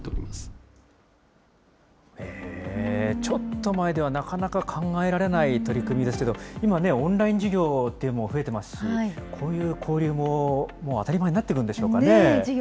ちょっと前ではなかなか考えられない取り組みですけど、今ね、オンライン授業というのも増えてますし、こういう交流ももう当たり前になってくるんでしょうかね。